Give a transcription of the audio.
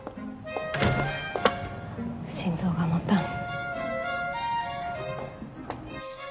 心臓が持たん。